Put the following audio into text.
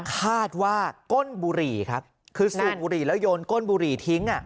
คาดว่าก้นบุหรี่ครับคือสูบบุหรี่แล้วโยนก้นบุหรี่ทิ้ง